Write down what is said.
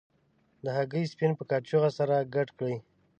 د هګۍ سپین په کاشوغه سره ګډ کړئ.